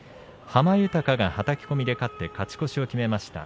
濱豊が、はたき込みで勝って勝ち越しを決めました。